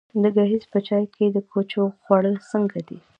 د ګیځ په چای د کوچو خوړل څنګه دي؟